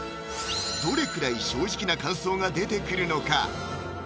どれくらい正直な感想が出てくるのか？